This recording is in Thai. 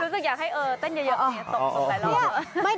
รู้สึกอยากให้เออเต้นเยอะอย่างนี้ตกสุดใส่เรื่อง